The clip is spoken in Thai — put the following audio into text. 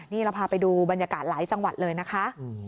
นี่เราพาไปดูบรรยากาศหลายจังหวัดเลยนะคะ